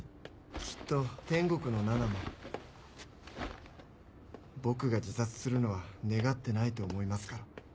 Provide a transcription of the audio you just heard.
きっと天国のななも僕が自殺するのは願ってないと思いますから。